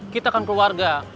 kita kan keluarga